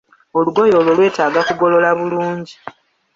Olugoye olwo lwetaaga kugolola bulungi.